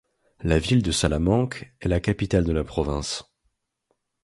La ville de Salamanque est la capitale de la Province.